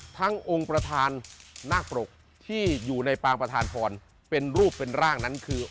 องค์ประธานนาคปรกที่อยู่ในปางประธานพรเป็นรูปเป็นร่างนั้นคือ